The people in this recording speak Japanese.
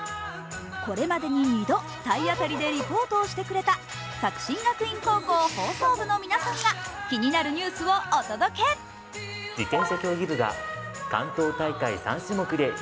これまでに２度体当たりでリポートをしてくれた作新学院放送部の皆さんが気になるニュースを音どけて。